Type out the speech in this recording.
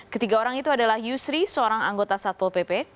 ketiga orang itu adalah yusri seorang anggota satpol pp